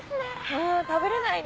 うん食べれないね